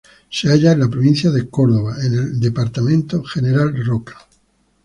Se halla en la provincia de Córdoba en el Departamento General Roca.